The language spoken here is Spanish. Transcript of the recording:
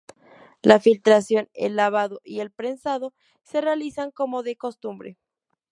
La filtración, el lavado y el prensado se realizan como de costumbre.